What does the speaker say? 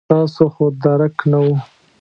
ستاسو خو درک نه و.